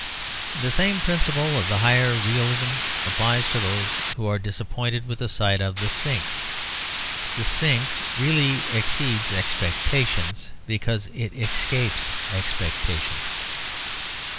The same principle of the higher realism applies to those who are disappointed with the sight of the Sphinx. The Sphinx really exceeds expectations because it escapes expectations.